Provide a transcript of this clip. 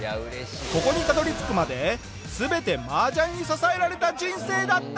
ここにたどり着くまで全て麻雀に支えられた人生だった！